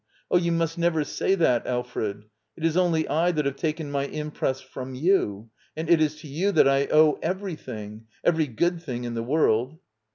] Oh, you must never say that, Alfred. It is only I that have taken j^^jif^ impress from you. And it is to you that I owe everything — every good thing in the world.